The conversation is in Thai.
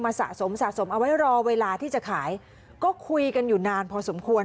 สะสมสะสมเอาไว้รอเวลาที่จะขายก็คุยกันอยู่นานพอสมควร